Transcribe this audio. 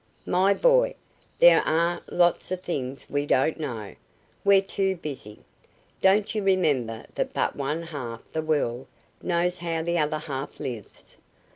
"My boy, there are lots of things we don't know. We're too busy. Don't you remember that but one half the world knows how the other half lives?